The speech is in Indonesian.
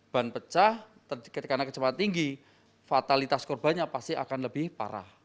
ban pecah karena kecepatan tinggi fatalitas korbannya pasti akan lebih parah